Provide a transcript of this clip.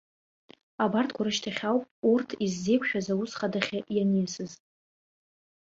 Абарҭқәа рышьҭахь ауп урҭ, иззеиқәшәаз аус хадахьы ианиасыз.